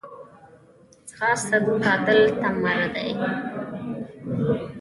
ځغاسته د تعادل تمرین دی